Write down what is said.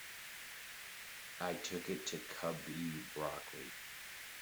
I took it to Cubby Broccoli.